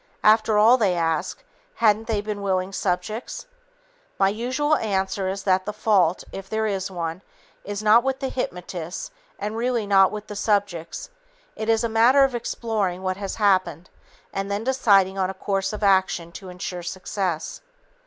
After all, they ask, hadn't they been willing subjects? My usual answer is that the fault, if there is one, is not with the hypnotists and really not with the subjects. It is a matter of exploring what has happened and then deciding on a course of action to insure success.